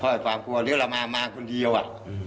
เพราะความกลัวแล้วเรามามาคนเดียวอ่ะ